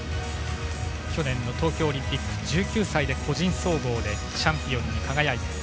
去年の東京オリンピック１９歳で個人総合でチャンピオンに輝いた。